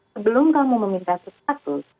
sebelum kamu meminta sesuatu